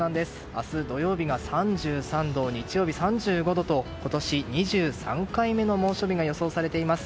明日土曜日が３３度日曜日が３５度と今年２３回目の猛暑日が予想されています。